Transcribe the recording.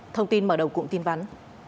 thông tin mở đầu cùng tin vắn